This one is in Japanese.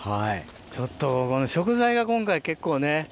ちょっとこの食材が今回結構ね。